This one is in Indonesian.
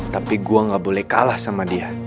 tapi gue gak boleh kalah sama dia